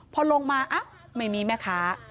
พอลงมาไม่มีแม่ค้า